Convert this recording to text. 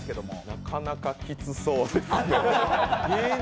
なかなかキツそうですね。